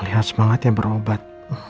melihat semangat yang berobat